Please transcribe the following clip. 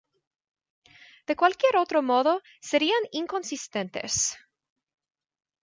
De cualquier otro modo, serían "inconsistentes".